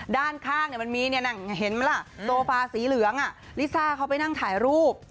ด้านข้างมันมีเห็นไหมล่ะโซฟาสีเหลืองลิซ่าเขาไปนั่งถ่ายรูป